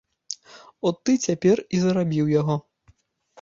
От ты цяпер і зарабіў яго.